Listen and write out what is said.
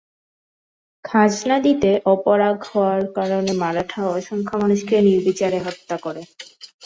খাজনা দিতে অপারগ হওয়ার কারণে মারাঠা অসংখ্য মানুষকে নির্বিচারে হত্যা করে।